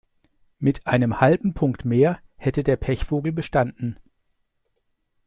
Mit einem halben Punkt mehr hätte der Pechvogel bestanden.